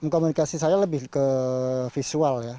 komunikasi saya lebih ke visual ya